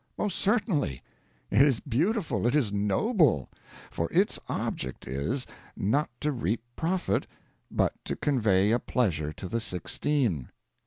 Most certainly. It is beautiful, it is noble; for its object is, not to reap profit, but to convey a pleasure to the sixteen.